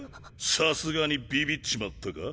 さすがにビビっちまったか？